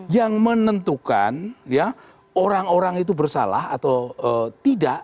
yang menentukan ya orang orang itu bersalah atau tidak